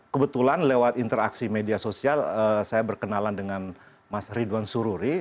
kebetulan lewat interaksi media sosial saya berkenalan dengan mas ridwan sururi